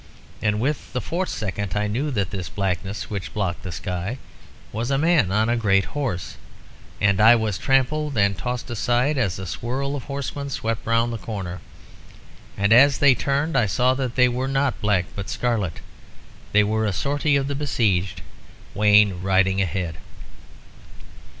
And with the fourth second I knew that this blackness which blocked the sky was a man on a great horse; and I was trampled and tossed aside as a swirl of horsemen swept round the corner. As they turned I saw that they were not black, but scarlet; they were a sortie of the besieged, Wayne riding ahead.